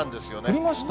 降りました？